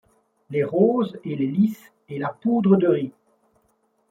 Les roses et les lys, et la poudre de riz.